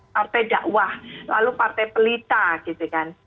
partai dakwah lalu partai pelita gitu kan